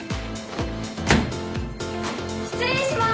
失礼しまーす。